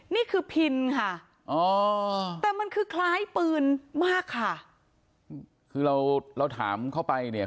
นี่คือพินค่ะอ๋อแต่มันคือคล้ายปืนมากค่ะคือเราเราถามเข้าไปเนี่ย